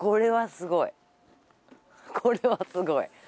これはすごい！